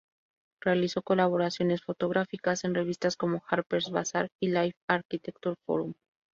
Realizó colaboraciones fotográficas en revistas como Harper's Bazaar, Life y "Architectural Forum".